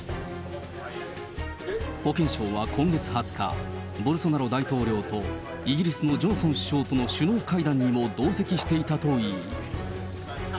保健相は今月２０日、ボルソナロ大統領とイギリスのジョンソン首相との首脳会談にも同席していたといい。